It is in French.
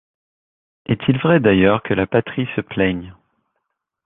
Est-il vrai d’ailleurs que la patrie se plaigne ?